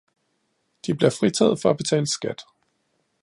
De bliver fritaget for at betale skat.